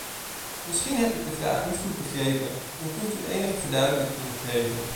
Misschien heb ik de vraag niet goed begrepen en kunt u enige verduidelijking geven.